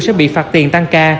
sẽ bị phạt tiền tăng ca